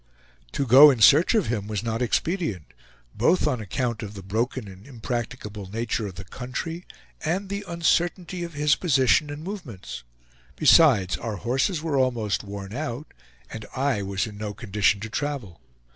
To go in search of him was not expedient, both on account of the broken and impracticable nature of the country and the uncertainty of his position and movements; besides, our horses were almost worn out, and I was in no condition to travel.